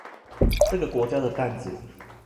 這個國家的擔子